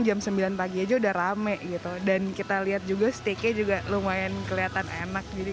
jam sembilan pagi aja udah rame gitu dan kita lihat juga steaknya juga lumayan kelihatan enak jadi